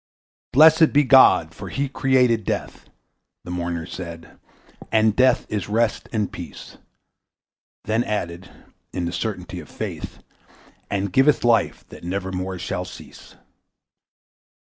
"Blessed be God! for he created Death!" The mourners said, "and Death is rest and peace"; Then added, in the certainty of faith, "And giveth Life that never more shall cease."